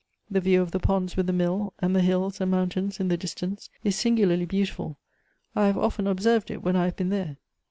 The view of the ponds with the mill, and the hills and moun tains in the distance, is singularly beautiful — I have often observed it when I have been there."